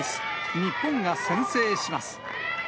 日本が先制します。